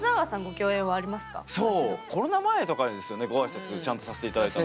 コロナ前とかですよねご挨拶ちゃんとさせて頂いたの。